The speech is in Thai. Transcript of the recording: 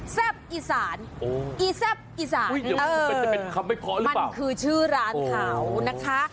แซ่บอีสานอีแซ่บอีสานมันคือชื่อร้านขาวนะคะ